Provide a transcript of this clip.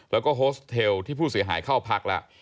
แล้วก็โฮสเทลที่ผู้เสียหายเข้าพักแล้ว